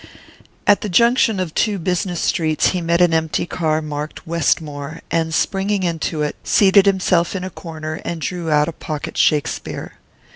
At the junction of two business streets he met an empty car marked "Westmore," and springing into it, seated himself in a corner and drew out a pocket Shakespeare.